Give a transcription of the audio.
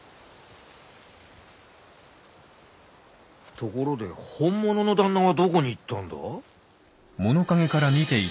ところで本物の旦那はどこに行ったんだ？